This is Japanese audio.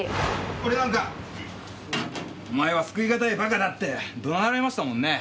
俺なんかお前は救いがたい馬鹿だって怒鳴られましたもんね。